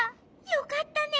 よかったね。